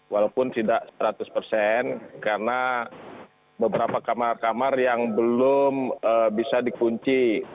walaupun tidak seratus persen karena beberapa kamar kamar yang belum bisa dikunci